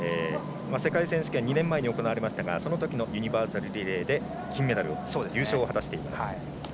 世界選手権２年前に行われましたがそのときのユニバーサルリレーで金メダル、優勝を果たしています。